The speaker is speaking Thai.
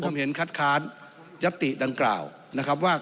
ผมเห็นคัดค้านยัตติดังกล่าวนะครับว่า